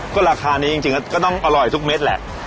ก็ราคานี้จริงก็ต้องอร่อยทุกเม็ดแหละ